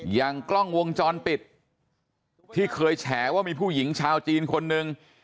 อย่างกล้องวงจรปิดที่เคยแฉว่ามีผู้หญิงชาวจีนคนหนึ่ง